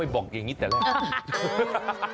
บอกอย่างนี้แต่แรก